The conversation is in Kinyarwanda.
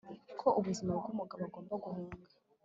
Ko ubuzima bwe umugabo agomba guhunga